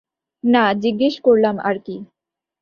না, জিজ্ঞেস করলাম আরকি!